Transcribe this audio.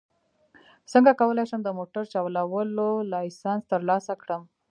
څنګه کولی شم د موټر چلولو لایسنس ترلاسه کړم